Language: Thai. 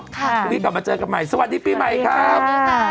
พรุ่งนี้กลับมาเจอกันใหม่สวัสดีปีใหม่ครับ